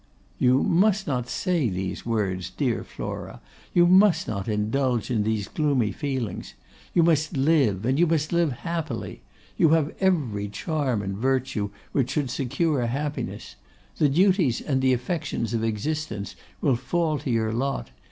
'You must not say these words, dear Flora; you must not indulge in these gloomy feelings. You must live, and you must live happily. You have every charm and virtue which should secure happiness. The duties and the affections of existence will fall to your lot.